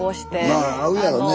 まあ合うやろねえ。